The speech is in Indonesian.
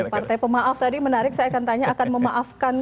partai pemaaf tadi menarik saya akan tanya akan memaafkan